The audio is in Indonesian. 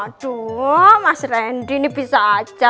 waduh mas rendy ini bisa aja